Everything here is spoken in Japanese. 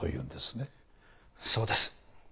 そうです。